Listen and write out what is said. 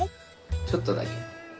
ちょっとだけ。